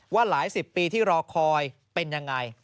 ว่าหลายสิบปีที่รอคอยเป็นยังไง